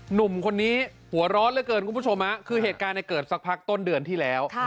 หนุ่มคนนี้หัวร้อนเหลือเกินคุณผู้ชมคือเหตุการณ์เกิดสักพักต้นเดือนที่แล้ว